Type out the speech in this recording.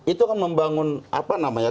itu kan membangun apa namanya